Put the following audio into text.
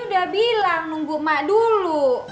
kan tadi udah bilang nunggu ma dulu